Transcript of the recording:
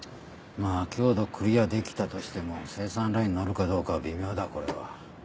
まあ強度クリアできたとしても生産ラインに乗るかどうかは微妙だこれは。